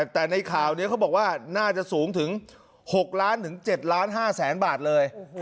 แต่ในข่าวนี้เขาบอกว่าน่าจะสูงถึง๖ล้านถึง๗ล้าน๕แสนบาทเลย